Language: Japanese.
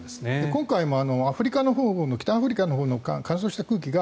今回もアフリカの北アフリカのほうの乾燥した空気が